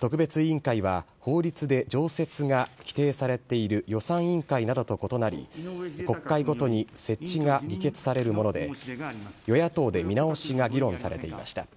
特別委員会は、法律で常設が規定されている予算委員会などと異なり、国会ごとに設置が議決されるもので、与野党で見直しが議論されていました。